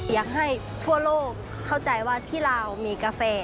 อยากให้ทั่วโลกเข้าใจว่าที่ลาวมีกาแฟ